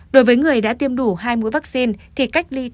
đối với người đã tiêm đủ hai mũi vaccine thì cách ly tại nhà